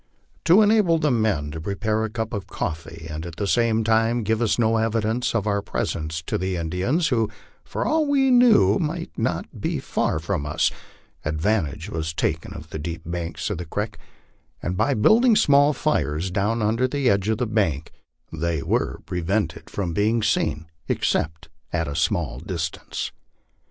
To enable the men to prepare a cup of coffee, and at the same time give no evidence of our presence to the Indians, who, for all we knew, might be not far from us, advantage was taken of the deep banks of the creek, and by build ing small fires down under the edge of the bank, they were prevented from being seen, except at a small distance.